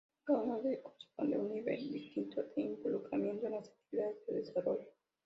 A cada uno corresponde un nivel distinto de involucramiento en las actividades de desarrollo.